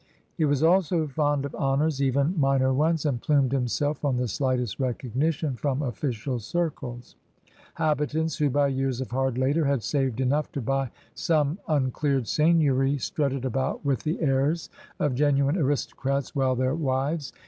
He was also fond of honors, even minor ones, and plumed himself on the slightest recogni tion from o£5cial circles. Habitants who by years of hard labor had saved enough to buy some un cleared seigneury strutted about with the airs of genuine aristocrats while their wives, in the * Sir J.